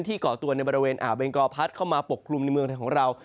ก่อตัวในบริเวณอ่าวเบงกอพัดเข้ามาปกคลุมในเมืองไทยของเรา